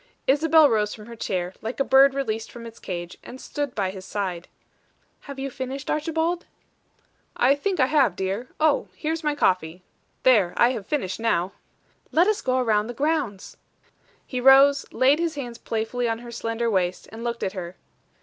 Isabel rose from her chair, like a bird released from its cage, and stood by his side. "Have you finished, Archibald?" "I think I have, dear. Oh! Here's my coffee. There; I have finished now." "Let us go around the grounds." He rose, laid his hands playfully on her slender waist, and looked at her.